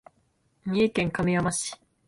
三重県亀山市